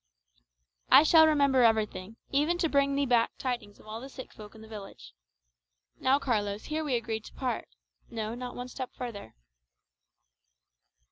'" "I shall remember everything, even to bringing thee back tidings of all the sick folk in the village. Now, Carlos, here we agreed to part; no, not one step further."